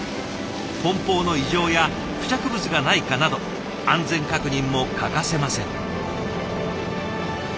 梱包の異常や付着物がないかなど安全確認も欠かせません。